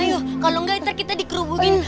ayo kalau nggak nanti kita di kerubungin